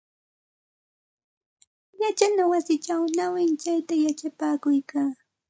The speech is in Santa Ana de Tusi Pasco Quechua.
Yachana wasichaw nawintsayta yachapakuykaa.